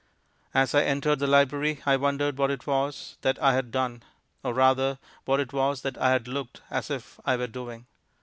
As I entered the library, I wondered what it was that I had done; or, rather, what it was that I had looked as if I were doing.